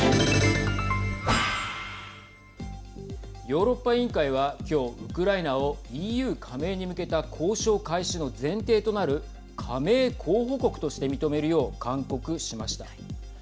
ヨーロッパ委員会は、きょうウクライナをＥＵ加盟に向けた交渉開始の前提となる加盟候補国として認めるよう勧告しました。